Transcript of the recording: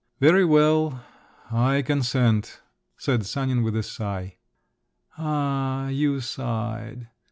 "Very well, I consent," said Sanin with a sigh. "Ah! You sighed!"